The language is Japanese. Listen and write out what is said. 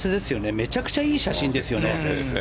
めちゃくちゃいい写真ですよね。